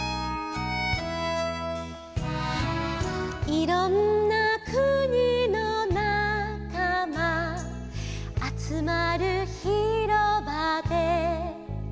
「いろんな国のなかま」「あつまる広場で」